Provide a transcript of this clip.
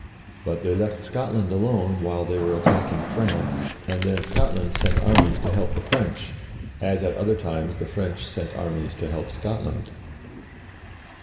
But they left Scotland alone while they were attacking France, and then Scotland sent armies to help the French, as at other times the French sent armies to help Scotland.